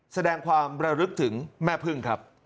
แสดงความระลึกถึงแม่พึ่งครับ